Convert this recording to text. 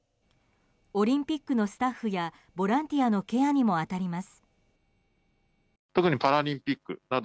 オリンピックのスタッフやボランティアのケアにも当たります。